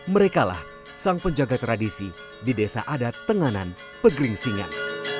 merekalah sang penjaga tradisi di desa adat tenganan pegering singan